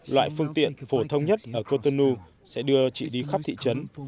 loại phương tiện phổ thông nhất ở cotenu sẽ đưa chị đi khắp thị trấn